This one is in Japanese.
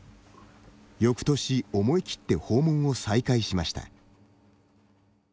よくとし、思い切って訪問を再開しました。